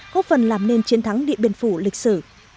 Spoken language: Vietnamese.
góp phần làm nên chiến thắng điện biên phủ lịch sử